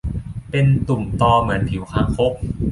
แต่เป็นตุ่มตอเหมือนผิวคางคก